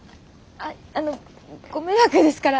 あっあのご迷惑ですから。